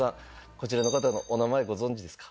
こちらの方のお名前ご存じですか？